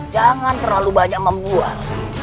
jangan terlalu banyak membuang